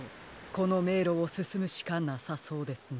このめいろをすすむしかなさそうですね。